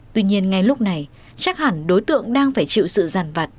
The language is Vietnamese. tuy nhiên ngay lúc này chắc hẳn đối tượng đang phải chịu sự giàn vặt